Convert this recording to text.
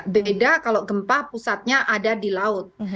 beda kalau gempa pusatnya ada di laut